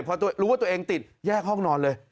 พอรู้ว่าตัวเองติดแยกห้องนอนเลย